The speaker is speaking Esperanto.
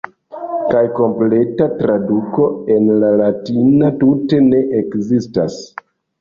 Kaj kompleta traduko en la Latina tute ne ekzistis.